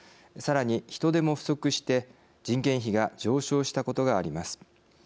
さらに人手も不足して人件費が上昇したことがあります。